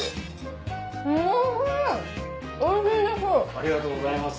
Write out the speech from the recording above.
ありがとうございます。